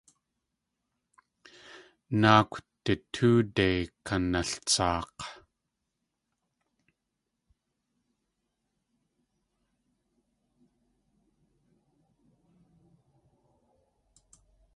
Náakw du tóode kanaltsaak̲!